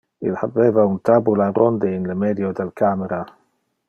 Il habeva un tabula ronde in medio al camera